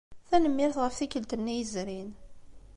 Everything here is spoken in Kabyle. Tanemmirt ɣef tikkelt-nni yezrin.